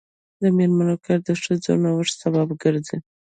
د میرمنو کار د ښځو نوښت سبب ګرځي.